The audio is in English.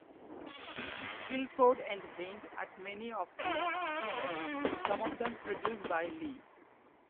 Gilford entertained at many of these events, some of them produced by Lee.